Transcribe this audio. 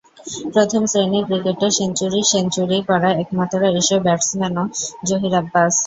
প্রথম শ্রেণির ক্রিকেটে সেঞ্চুরির সেঞ্চুরি করা একমাত্র এশীয় ব্যাটসম্যানও জহির আব্বাস।